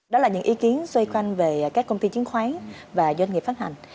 đó là những ý kiến xoay quanh về các công ty chứng khoán và doanh nghiệp phát hành